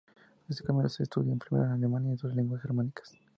Este cambio se estudió primero en alemán y otras lenguas germánicas.